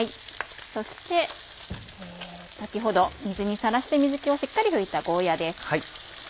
そして先ほど水にさらして水気をしっかり拭いたゴーヤです。